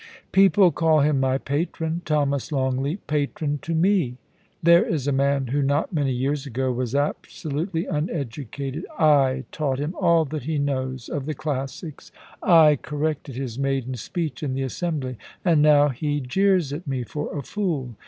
* People call him my patro|i. Thomas Longleat patron to me I There is a man who not many years ago was absolutely uneducated / taught him all that he knows of the classics. / corrected his maiden speech in the Assembly, and now he jeers at me for a fool.